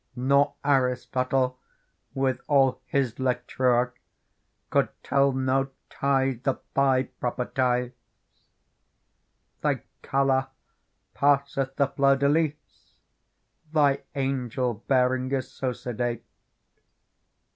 Nor Aristotle, with all his lettrure. Could tell no tithe of thy properties. Thy colour passeth the fleur de lys. Thy angel bearing is so sedate.